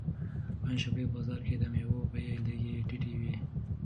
پنجشنبه په بازار کې د مېوو بیې لږې ټیټې وي.